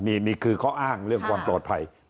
นี่คือข้ออ้างเรื่องความปลอดภัย